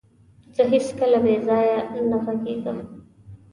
زه هيڅکله بيځايه نه غږيږم.